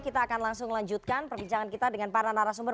kita akan langsung lanjutkan perbincangan kita dengan para narasumber